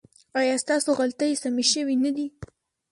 ایا ستاسو غلطۍ سمې شوې نه دي؟